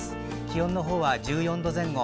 気温の方は１４度前後。